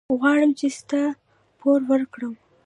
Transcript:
غواړم چې ستا پور ورکړم.